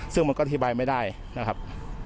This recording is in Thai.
ซึ่งมันก็อธิบายไม่ได้นะครับ